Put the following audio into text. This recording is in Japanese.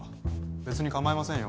別にかまいませんよ